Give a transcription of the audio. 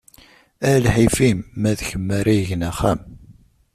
A lḥif-im, ma d kem ara igen axxam!